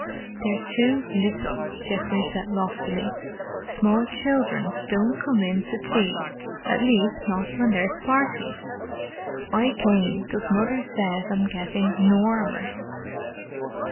"They're too little," Geoffrey said loftily. "Small childrens don't come in to tea, at least not when there's parties. I came, 'cause Mother says I'm getting 'normous."